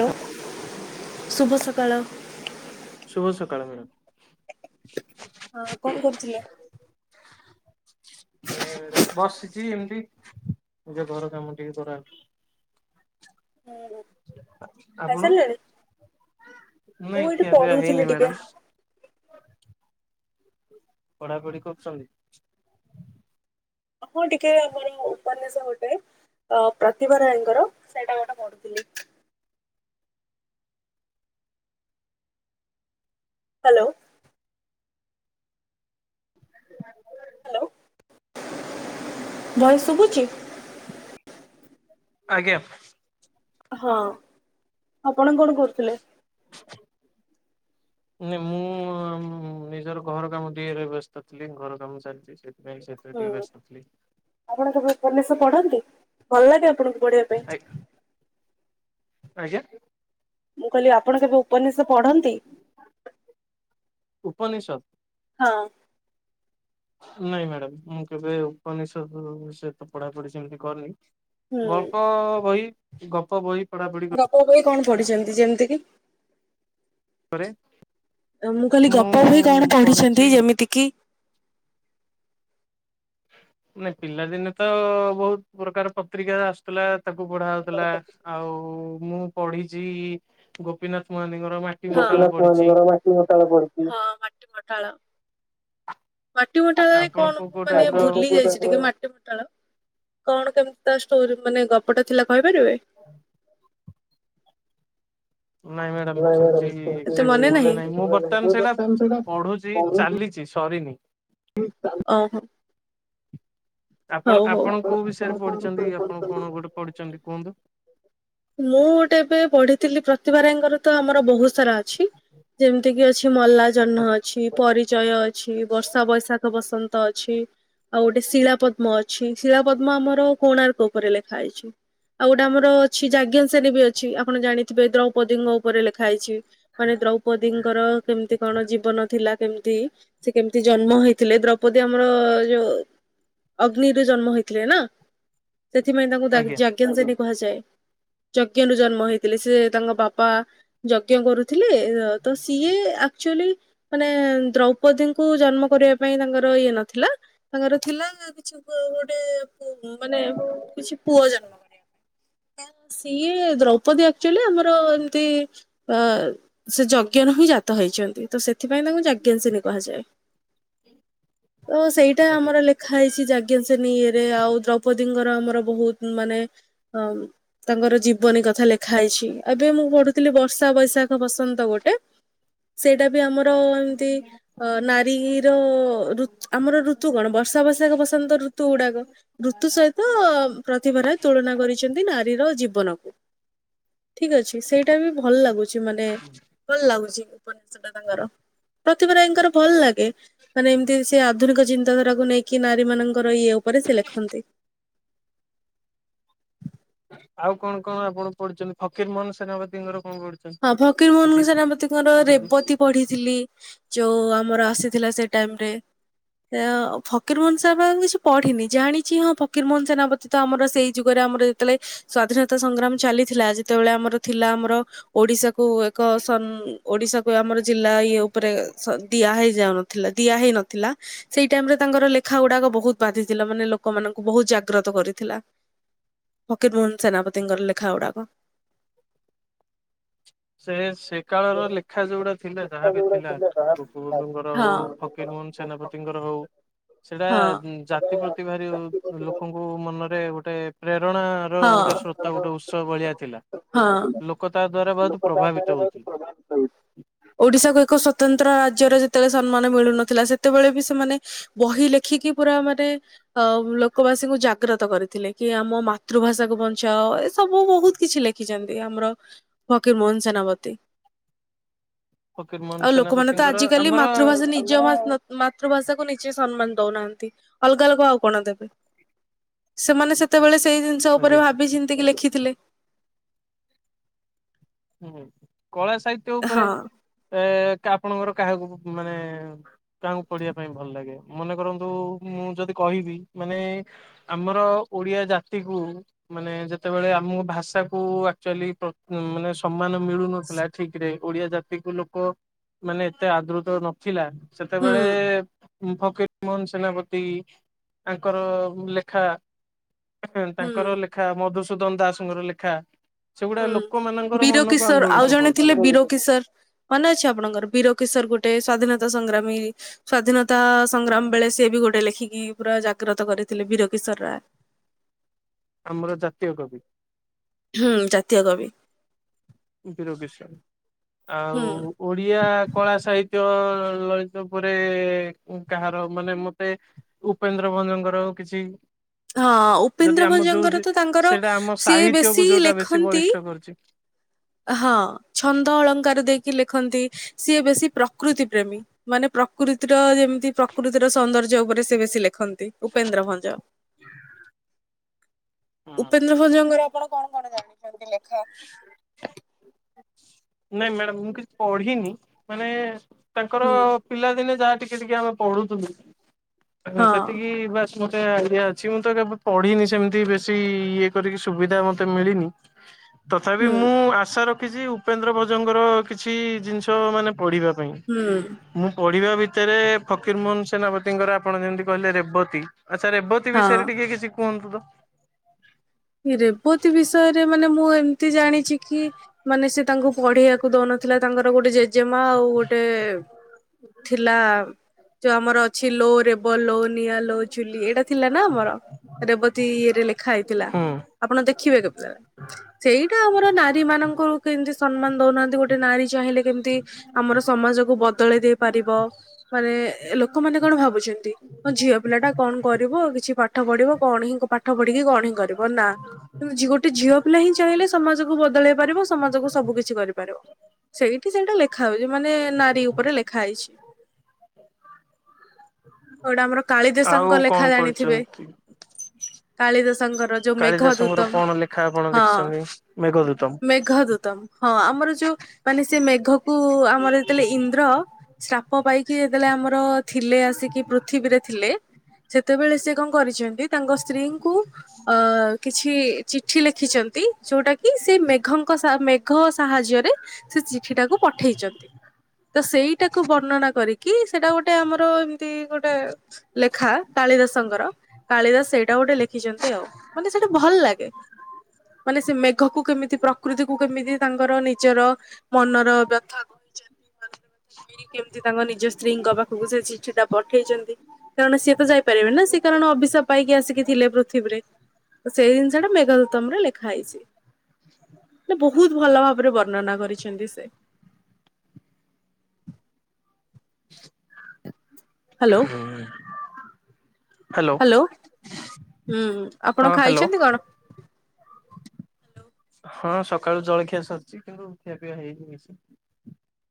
Hello ଶୁଭ ସକାଳ। ଶୁଭ ସକାଳ ମାଡାମ୍। ହଁ କଣ କରୁଥିଲେ? ନାଇଁ ମାଡାମ ବସିଛି ଏମିତି ନିଜ ଘର କାମ ଟିକେ କରା। [inaudible] ହୁଁ ହୁଁ। ଆପଣ ମୁଁ ନାଇଁ ଏଇଠି ଖିଆପିଆ ପଢୁଥିଲି ହେଇନି ଟିକେ ମାଡାମ୍। ପଢାପଢି କରୁଚନ୍ତି? ହଁ ଟିକେ ଆମର ଉପନ୍ୟାସ ଗୋଟେ। ଅ ପ୍ରତିଭା ରାଏଙ୍କର ସେଇଟା ଗୋଟେ ପଢୁଥିଲି। ହାଲୋ। [unintelligible] ହାଲୋ ଭଏସ୍ ଶୁବୁଚି? ଆଜ୍ଞା। ହଁ ଆପଣ କଣ କରୁଥିଲେ? [inaudible] ନେ ମୁଁ ନିଜର ଘର କାମରେ ଟିକେରେ ବେସ୍ତ ଥିଲି ଘର କାମ ଚାଲଚି। ସେ ସେଇଥିପାଇଁ ସେଥେରେ ହୁଁ ଟିକେ ବେସ୍ତ ଥିଲି। ଆପଣ କେବେ ଉପନ୍ୟାସ ପଢନ୍ତି ଭଲ ଲାଗେ ଆପଣଙ୍କୁ? ପଢିବା ପାଇଁ? [unintelligible] ଆଜ୍ଞା। ମୁଁ କହିଲି ଆପଣ କେବେ ଉପନିଶ ପଢନ୍ତି? ଉପନିଶ। ହଁ ‌। ନାଇଁ ମ୍ୟାଡାମ, ମୁଁ କେବେ ଉପନିଶଦ ସେତ ପଢା ପଢି ସେମତି କରିନି। ହୁଁ। ଗଳ୍ପ ବହି ଗପ ବହି ପଢାପଢି ଗପ ବହି କଣ ପଢିଛନ୍ତି, ଯେମିତି କି? ପରେ। ମୁଁ କହିଲି ଗପ ବହି କଣ ପଢିଛନ୍ତି, ପଢିଛି ଯେମିତି କିି? ନାଇ ପିଲାଦିନ ତ ବହୁତ ପ୍ରକାର ପକ୍ରିୟା ଆସୁଥିଲା। ତାକୁ ପଢା ହଉଥିଲା ଆଉ, ମୁଁ ପଢିଛି ଗୋପିନାଥ ମହାନ୍ତିଙ୍କର ମାଟ ଗୋପୀନାଥ ମହାନ୍ତିଙ୍କର ମାଟି ପଟାଳ କରିଥିଲି। ମାଟି ପଟାଳରେ ଆପଣ କଣ, କୋଉ ମୁଁ କୋଉ ଟାଇପ ମାନେ ର ଭୁଲି ଯାଇଛି ଟିକେ ମାଟି। କଣ କେମିତି ତାଷ୍ଟୋରୀ ମାନେ ଗପଟି ଥିଲା କହିପାରିବେ? ନାଇଁ ମ୍ୟାଡାମ ସେମିତି ଏକ୍ଜାକ୍ଟଲି ମନେ ନାହିଁ, ମୁଁ ବର୍ତ୍ତମାନ ସେଇଟା ପଢୁଛି ଚାଲିଛି ସରିନି। ଓହୋ। ଆପଣ ହଉ ହଉ। ଆପଣ କୋଉ ବିଷୟରେ ପଢିଛନ୍ତି ଆପଣ କଣ, ଗୋଟେ ପଢିଛନ୍ତି କୁହନ୍ତୁ? ମୁଁ ଗୋଟେ ଏବେ ପଢିଥିଲି, ପ୍ରତିଦ୍ଭା ରାୟଙ୍କର ତ, ଆମର ବହୁତ ସାରାଅଛି ଯେମତି ଅଛି ମଲା ଜହ୍ନ ଅଛି ପରି ଜୟ ଅଛି ବର୍ଷା ବୈଶାଖ ବସନ୍ତ ଅଛି। ଆଉ ଗୋଟେ ଶିଳା ପଦ୍ମ ଅଛି ଶିଳା ପଦ୍ମ ଆମର କୋଣାର୍କ ଉପରେ ଲେଖା ହେଇଛି। ଆଉ ଗୋଟେ ଆମର ଛିଟ ଆଜ୍ଞା, ସେ ବି ଅଛି ଆପଣ ଜାଣିଥିବେ ଦ୍ରୌପଦୀଙ୍କ ଉପରେ ଲେଖା ହେଇଛି ମାନେ ଦ୍ରୌ ପେଦିଙ୍କର କେମିତି କଣ ଜୀବନ ଥିଲା କେମିତି ସେ କେମିତି ଜନ୍ମ ହେଇଥିଲେ ଦ୍ରୌପଦୀ ଆମର ଯୋଉ ଅଗ୍ନିରେ ଜନ୍ମ ହେଇଥିଲେ ନା ସେଥିପାଇଁ ତାଙ୍କୁ ଆଜ୍ଞା ଯାଜ୍ଞ୍ୟ ସେନୀ କୁହାଯାଏ। ଯୋଜ୍ଞାରୁ ଜନ୍ମ ହେଇଥିଲେ ସେ ତାଙ୍କ ବାପା ଯୋଜ୍ଞା କରୁଥିଲେ ତ ସିଏ ଆକ୍ ଚୁଲି ମାନେ ଦ୍ରୌପଦୀଙ୍କୁ ଜନ୍ମ କରିବା ପାଇଁ ତାଙ୍କର ଇଏ ନଥିଲା ତାଙ୍ଗର ଥିଲା କିଛି ଗୋଟେ ମାନେ କିଛି ପୁଅ ଜନ୍ମ କରିବା ପାଇଁ। ସିଏ ଦ୍ରୌପଦୀ ଆକ୍ଚୁଆଲି ଆମର ଏମିତି ଅ ସେ ଯଗ୍ୟରେ ହିଁ ଜାତ ହେଇଛନ୍ତି ତ ସେଥିପାଇଁ ତାଙ୍କୁ ଯାଜ୍ଞା ସେନୀ କୁହାଯାଏ। ତ ସେଇଟା ଆଜ୍ଞା ଆମର ଲେଖ ଦେଖା ହେଇଛି ଯାଜ୍ଞା ସେନୀ ଇରେ ଆଉ ଦ୍ରୌପଦୀଙ୍କର ଆମର ବହୁତ ମାନେ ଅ ତାଙ୍କର ଜୀବନୀ କଥା ଲେଖା ହେଇଛି ଏବେ ମୁଁ ପଢୁ। ଥିଲି ବର୍ଷା ବୈଶାଖ ବସନ୍ତ ଗୋଟେ ସେଇଟା ବି ଆମର ଏମିତି ଅ ନାରୀର ହିର ଋତ ଆମର ଋତୁ କଣ ବର୍ଷାବୈସାଖ ବସନ୍ତ ନ୍ତ ଋତୁ ଗୁଡାକ ଋତୁ ସହିତ ପ୍ରତିଦ୍ଭାରା ଏ ତୁଳନା କରିଛନ୍ତି ନାର ବିର ଜୀବନକୁ ଠିକ୍ ଅଛି ସେଇଟା ବି ଭଲ ଲାଗୁଛି ମାନେ ଭଲ ଲାଗୁଛି ଉପନ୍ୟାସ ଟା ତାଙ୍କର ପ୍ରତିଭ ରାଇଙ୍କର ଭଲ ଲାଗେ ମାନେ ଏମିତି ସେ ଆଧୁନିକ ଚିନ୍ତାଧାରା କୁ ନେଇକି ନାରୀ ମାନଙ୍କର ଇଏ ଉପରେ ସେ ଲେଖନ୍ତି। ଆଉ କଣ କଣ ଆପଣ ପଢୁଛନ୍ତି? ଫକୀର ମୋହନ ସେନାପତିଙ୍କର କଣ ପଢ ହଁ ଫକୀର ମୋହନଙ୍କ ସେନାପତି ଙ୍କର ରେବତୀ ଯଦି ପଢିଥିଲି। ଯୋଉ ଆମର ଆସିଥିଲା ସେଇ ଟାଇମରେ ଫକୀର ମୋହନ ସାର୍ କିଛି ପଢିନି ଜାଣିଛି ହଁ ଫକୀର ମୋହନ ସେନାପତିୀ ତ ଆମର ସେଇ ଯୁଗରେ ଆମର ଯେତେଳେ ସ୍ଵାଧୀନତା ସଂଗ୍ରାମ ଚାଲିଥିଲା ଯେତେବେଳେ ଆମର ଥିଲା ଆମର ଓଡିଶାକୁ ଏକ ସନ ଓଡିଶାକୁ ଆମର ଜିଲ୍ଲା ଇଏ ଉପରେ ଦିଆ ହେଇଯାଉ। ଥିଲା ଦିଆ ହେଇ ନଥିଲା ସେଇ ଟାଇମ ରେ ତାଙ୍କର ଲେଖା ଗୁଡାକ ବହୁତ ବାଧିଥିଲା ମାନେ ଲୋକମାନଙ୍କୁ ବହୁତ ଜାଗ୍ରତ କରିଥିଲା। ଫକୀର ମୋହନ ସେନାପତିଙ୍କର ଲେଖା ଗୁଡାକ। ସେ ସେ କାଳର ଲେଖା ଯୋଉ ଗୁଡ଼ା ଥିଲା ଯାହାବି ଥିଲା ଗୋପବନ୍ଧୁଙ୍କର ହଁ ହଉ, ଫକୀର ମୋହନ ସେନାପତିଙ୍କର ହଉ, ସେଟା ହଁ ଜା ପ୍ରତି ଭାରି ଲୋକଙ୍କୁ ମନରେ ଗୋଟେ ପ୍ରେରଣା ର ହଁ ଗୋଟେ ସ୍ରୋତ ଗୋଟେ ଉତ୍ସ ଭଳିଆ ଥିଲା, ହଁ। ଲୋକ ତା ଦ୍ଵାରା ବହୁତ ପ୍ରଭାବିତ ହଉଥିଲେ। ଓଡିଶାକୁ ଏକ ସ୍ଵତନ୍ତ୍ର ରାଜ୍ୟର ଯେତେବେଳେ ସମ୍ମାନ ମିଳୁନଥିଲା ସେତେବେଳେ ବି ସେମାନେ ବହି ଲେଖିକି ପୁରା ମାନେ ଅ ଲୋକବାସୀଙ୍କୁ ଜାଗ୍ରତ କରିଥିଲେ କି ଆମ ମାତୃଭାଷା କୁ ବଞ୍ଚାଅ ଏ ସବୁ ବହୁତ କିଛି ଲେଖିଛନ୍ତି ଆମର ଫକୀର ମୋହନ ସେନାପତି। ଫକୀର ମୋହନ ଆଉ ଲୋକମାନେ ତ ସେନାପତିଙ୍କର ଆଜିକାଲି ଆମର ମାତୃଭାଷା ନିଜ ଦ୍ଭା ନ ମାତୃଭାଷା କୁ ନିଜେ ସମ୍ମାନ ଦଉନାହାନ୍ତି, ଅଲଗା ଅଲଗା ଆଉ କଣ ଦେବେ। ସେମାନେ ସେତେବେଳେ ସେଇ ଜିନିଷ ଉପରେ ଆଜ୍ଞା ଭାବି ଚିନ୍ତିକି ଲେଖିଥିଲେ। ହୁଁହୁଁ କଳା ସାହିତ୍ୟ ଉପରେ ହଁ ଏ ଆପଣଙ୍କର କାହାକୁ ମାନେ କାହାଙ୍କୁ ପଢିବା ପାଇଁ ଭଲ ଲାଗେ, ମନେ କରନ୍ତୁ ମୁଁ ଯଦି କହିବି ମାନେ ଆମର ଓଡିଆ ଜାତିକୁ ମାନେ ଯେତେବେଳେ ଆମ ଭାଷାକୁ ଆଚୁକୁଆଲି ପ୍ର ମାନେ ସମ୍ମାନ ମିଳୁନଥିଲା ଠିକରେ, ଓଡିଆ ଜାତିକୁ ଲୋକ ମାନେ ଏତେ ଆଦୃତ ନଥିଲା। ହୁଁ ସେତେବେଳେ ଫକୀର ମୋହନ ସେନାପତି ତାଙ୍କର ଲେଖା ଆଁ ଆଁହ ହୁଁ। ତାଙ୍କର ଲେଖା ମଧୁସୂଦନ ଦାସଙ୍କର ଲେଖା ସେଗୁଡା ହୁଁ ଲୋକମାନ ବୀର କିଶୋର ଆଉ ଜଣେ ଥିଲେ ବୀ ରୋ କିଶୋର ମନେଅଛି ଆପଣଙ୍କର ବିରୋକିଶର ଗୋଟେ ସ୍ଵାଧୀନତା ସଂଗ୍ରାମୀ। ସ୍ଵାଧୀନତା ସଂଗ୍ରାମ ବେଳେ ସିଏ ବି ଗୋଟେ ଲେଖିକି ପୁରା ଜାଗ୍ରତ କରିଥିଲେ ବୀରୋ କିିଶୋର ରାୟ। ଆମର ଜାତୀୟ କବି। ହୁଁ ଜାତୀୟ କବି। ବୀରୋ କିଶୋର ଆଉ ହୁଁ ଓଡିଆ କଳା ସାହିତ୍ୟ ଲ ଲଳିତ ଉପରେ କାହାର ମାନେ ମତେ ଉପେନ୍ଦ୍ର ଭଞ୍ଜଙ୍କର କିଛି ହଁ ଯଦି ଉପେନ୍ଦ୍ର ଆମ ଯୋଉ ଭଞ୍ଜଙ୍କର ତ ତାଙ୍କର ସେଇଟା ଆମ ସିଏ ସାହିତ୍ୟକୁ ବେଶୀ ଯୋଉଟା ବେଶୀ ଲେଖନ୍ତି। ବଳିଷ୍ଠ କରୁଛି। ଆ ହଁ ଛନ୍ଦ ଅଳଙ୍କାର ଦେଇକି ଲେଖନ୍ତି। ସିଏ ବେଶୀ ପ୍ରକୃତି ପ୍ରେମୀ। ମାନେ ପ୍ରକୃତିର ଯେମତି ପ୍ରକୃତିର ସୌନ୍ଦର୍ଯ୍ୟ ଉପରେ ସେ ବେଶୀ ଲେଖନ୍ତି ଉପେନ୍ଦ୍ର ଭଞ୍ଜ। [inaudible] ହଁ। ଉପେନ୍ଦ୍ର ଭଞ୍ଜଙ୍କର ଆପଣ କଣ କଣ ଜାଣିଛନ୍ତି ଲେଖା? ନାଇଁ ମ୍ୟାଡାମ ମୁଁ କିଛି ପଢିନି ମାନେ ତାଙ୍କର ହୁଁ। ପିଲାଦିନେ ଯାହା ଟିକେ ଟିକେ ଆମେ ପଢୁୁଥିଲୁ ହଁ ସେତିକି ବା ମୋତେ ଏରିଆ ଅଛି ମୁଁ ତ କେବେ ପଢିନି ସେମିତି ବେଶୀ ଇଏ କରିକି ସୁବିଧା ମତେ ମିଳିନି। ତଥାବି ହୁଁ ମୁଁ ଆଶା ରଖିଛି ଉପେନ୍ଦ୍ର ଭଜଙ୍କର କିଛି ଜିନିଷ ମାନେ ପଢିବା ପାଇଁ। ହୁଁ ମୁଁ ପଢିବା ଭିତେରେ ଫକୀର ମୋହନ ସେନାପତିଙ୍କର ଆପଣ ଯେମିତି କହିଲେ ରେବତୀ ଆଚ୍ଛା ରେବ ରେବତୀ ହଁ ବିଷୟରେ ଟିକେ କିଛି କୁହନ୍ତୁ ତ। ରେବତୀ ବିଷୟରେ ମାନେ ମୁଁ ଏମତି ଜାଣିଚି କି ମାନେ ସେ ତାଙ୍କୁ ପଢେଇବାକୁ କୁ ଦଉନଥିଲା ତାଙ୍କର ଗୋଟେ ଜେଜେମା ଆଉ ଗୋଟେ ଥିଲା ଯୋଉ ଆମର ଅଛି ଲୋ ରେବ ଲୋ ନିଆ ଲୋ ଚୁଲି ଏଇଟା ଥିଲା ନା ଆମର ରେବତୀ ଇଏରେ ଲେଖା ହେଇଥିଲା ହୁଁ ଆପଣ ଦେଖିବେ କେତେବେଳେ। ସେଇଟା ଆମର ନାରୀ ମାନଙ୍କୁ କିମିତି ସମ୍ମାନ ଦଉନାହାନ୍ତି ଗୋଟେ ନାରୀ ଚାହିଁଲେ କିମିତି ଆମର ସମାଜକୁ ବଦଳେଇ ଦେଇ ପାରିବ ମାନେ ଲୋକମାନେ କଣ ଭାବୁଚନ୍ତି? ହଁ ଝିଅ ପିଲା ଟା କଣ କରିବ କିଛି ପାଠ ପଢିବ କଣ ହିଁ ପାଠ ପଢିକି କଣ ହିଁ କରିବ ନାଁ। କିନ୍ତୁ ଝି ଗୋଟେ ଝିଅ ପିଲା ହିଁ ଚାହିଁଲେ ସମାଜକୁ ବଦଳେଇ ପାରିବ ସମାଜକୁ ସବୁ କିିଛି କରିପାରିବ। ସେଇଠି ସେଇଟା ଲେଖା ହୋଇଚି ମାନେ ନାରୀ ଉପରେ ଲେଖା ହେଇଚି। ଗୋଟେ ଆମର ଆଉ କାଳିଦାସଙ୍କ କଣ ଲେଖା ଜାଣିଥିବେ। ପଢିଛନ୍ତି? କାଳିଦାସଙ୍କର ଯୋଉ ମେଘ କାଳିଦାସଙ୍କର ଦୂତମ କଣ ଲେଖା ଆପଣ ହଁ ଦେଖିଛନ୍ତି ମେଘଦୂତମ? ମେଘ ଦୂତ। ହଁ ଆମର ଯୋଉ ମାନେ ସେ ମେଘ କୁ ଆମର ଯେତେବେଳେ ଇନ୍ଦ୍ର ଶ୍ରାପ ପାଇକି ଯେତେବେଳେ ଆମର ଥିଲେ ଆସିକି ପୃଥିବୀରେ ଥିଲେ। ସେତେବେଳେ ସେ କଣ କରିଚନ୍ତି ତାଙ୍କ ସ୍ତ୍ରୀଙ୍କୁ ଅ କିଛି ଚିଠି ଲେଖିଚନ୍ତି। ଯୋଉଟା କି ସେ ମେଘଙ୍କ ସା ମେଘ ସାହାଯ୍ୟରେ ସେ ଚିଠିଟାକୁ ପଠେଇଚନ୍ତି। ତ ସେଇଟାକୁ ବର୍ଣ୍ଣନା କରିକି ସେଟା ଗୋଟେ ଆମର ଏମିତି ଗୋଟେ ଲେଖା କାଳିଦାସଙ୍କର କାଳିଦାସ ସେଇଟା ଗୋଟେ ଲେଖିଚନ୍ତି ଆଉ। ମତେ ସେଇଟା ଭଲ ଲାଗେ। ମାନେ ସେ ମେଘକୁ କେମିତି ପ୍ରକୃତିକୁୁ କେମିତି ତାଙ୍କର ନିଜର ମନର ବ୍ୟଥା କହିଚନ୍ତି। କିରି କେମତି ତାଙ୍କ ନିଜ ସ୍ତ୍ରୀଙ୍କ ପାଖୁକୁ ସେ ଚିଠି ଟା ପଠେଇଚନ୍ତି। କାରଣ ସିଏ ତ ଯାଇପାରିବେନି ନା ସେ କାରଣ ଅଭିଶାପ ପାଇକି ଆସିକି ଥିଲେ ପୃଥିବୀରେ। ତ ସେଇ ଜିନିଷଟା ମେଘା ଦୁତ୍ତମ ରେ ଲେଖା ହେଇଚି। [inaudible] ବହୁତ୍ ଭଲ ଭାବରେ ବର୍ଣ୍ଣନା କରିଛନ୍ତି ସେ। ହାଲୋ। ହାଲୋ। ଉଁ ହୁଁ ଆପଣ ହଁ ହ୍ୟାଲୋ ଖାଇଛନ୍ତି କଣ? ହଁ ସକାଳୁ ଜଳଖିଆ ସରିଛି କିନ୍ତୁ ଖିଆପିଆ ହେଇନି କିଛି।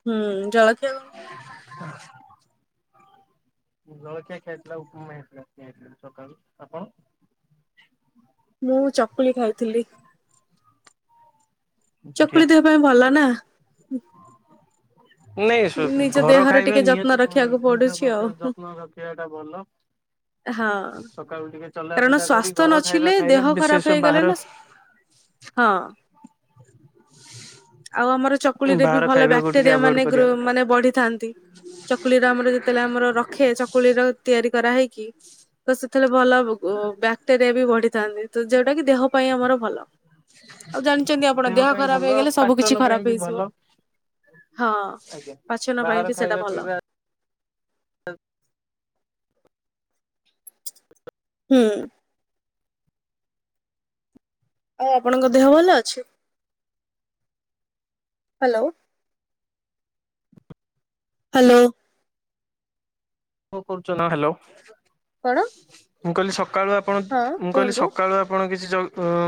ହୁଁ ଜଳଖିଆ ଖଣ? [inaudible] ଜଳଖିଆ ଖିଆହେଇଥିଲା ଉପମା ହେଇଥିଲା ଖିଇଆହେଇଥିଲା ସକାଳୁ ଆପଣ? ମୁଁ ଚକୁଳି ଖାଇଥିଲି। ବଢିଆ ଚକୁଳି ଦେହ ପାଇଁ ଭଲ ନା। ନାଇ ନିଜ ଘର ଦେହର ଖାଇବେ ଟିକେ ଯତ୍ନ ନିହାତି ରଖିବାକୁ ତିନି ଚାରି ପଡୁଛି ଆଉ ପ୍ରକରେ ଯତ୍ନ ଦ ସିଆଟା ଭଲ। ହଁ। ସକାକୁ ଟିକେ କାରଣ ଚଲାବୁଲା କରି ସ୍ୱାସ୍ଥ୍ୟ ଘର ନଥିଲେ ଖାଇବା ଦେହ ଖାଇଲେ ଖରାପ ବିଶେଷ ହେଇଗଲେ ନା ବାହାର ହଁ। [unintelligible] ଆଉ ଆମର ଚକୁଳିରେ ବି ବାହାର ଭଲ ଖାଇବାକୁ ଟିକେ ବ୍ୟାକ୍ଟେରିଆ ଆଭଏଡ ମାନେ କରିବା କଥା। ମାନେ ବଢିଥାନ୍ତି। ଚକୁଳିର ଆମର ଯେତେବେଳେ ଆମର ରଖେ ଚକୁଳିର ତିଆରି କରାହେଇକି। ତ ସେଥିରେ ଭଲ ବ୍ୟାକ୍ଟେରିଆ ବି ବଢିଥାନ୍ତି ତ ଯୋଉଟା କି ଦେହ ପାଇଁ ଆମର ଭଲ। ଆଉ ଜାଣିଛନ୍ତି ଆପଣ ଦେହ ପାଇଁ ଖରାପ ଭଲ ହେଇଗଲେ। ସବୁ ପାଚନ କିଛି ପାଇଁ ଖରାପ ବି ଭଲ ହେଇଯିବ ହଁ ଆଜ୍ଞା। ପାଚନ ପାଇଁ ବାହାର ବି ସେଟା ଖାଇବା ଭଲ। ପିଇବା କଣ ହୁଁ। ଆଉ ଆପଣଙ୍କ ଦେହ ଭଲ ଅଛି। ହାଲୋ ଉ। ହାଲୋ। କ କରୁଛ ନା ହାଲୋ କଣ ମୁଁ କହିଲି ସକାଳୁ ଆ ଆପଣ ହଁ ମୁଁ କହିଲି କୁହନ୍ତୁ। ସକାଳୁ ଆପଣ କିଛି ଜଲ ଉଁ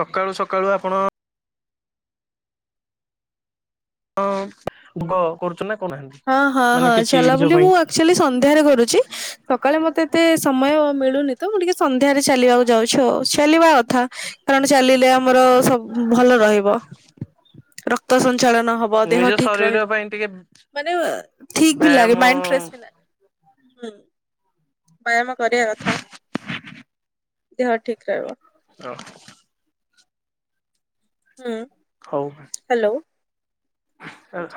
ସକାଳୁ ସକାଳୁ ଆପଣ। ଅ ଭୁଗ କରୁଛୁନା। ହଁ ହଁ ହଁ ଚାଲା ବୋଲି ମୁଁ ଆଚୁଆଲି ସନ୍ଧ୍ୟାରେ କରୁଚି। ସକାଳେ ମତେ ଏତେ ସମୟ ମିଳୁନି ତ ମୁଁ ଟିକେ ସନ୍ଧ୍ୟାରେ ଚାଲିବାକୁ। ଯାଉଛୁ ଆଉ ଚାଲିବା କଥା କାରଣ ଚାଲିଲେ ଆମର ସବ ଭଲ ରହିବ। ରକ୍ତ ସଞ୍ଚାଳନ ହବ ନିଜ ଦେହ ଠିକ୍ ଶରୀର ପାଇଁ ଟିକେ [inaudible] ଠିକ ବି ଲାଗେ ବ୍ୟାୟାମ ମାଇଁଡି ଫ୍ରେସ ବି ଲାଗେ ହୁଁ। ବ୍ୟାୟାମ କରିବା କଥା ଦେହ ଠିକ୍ ରହିବ। ରଅ। ହୁଁ ହଉ ହାଲୋ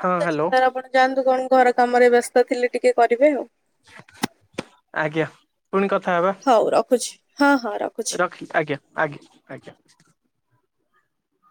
ହଁ ହ୍ୟାଲୋ [inaudible] ଆପଣ। ଯାଆନ୍ତୁ କଣ ଘର କାମରେ ବ୍ୟସ୍ତ ଥିଲେ ଟିକେ କରିବେ ଆଉ। ଆଜ୍ଞା ପୁଣି କଥା ହବା। ହଉ ରଖୁଛି ହଁ ହଁ ରଖୁ ରଖିଲି ଆଜ୍ଞା ଆଜ୍ଞା ଆଜ୍ଞା।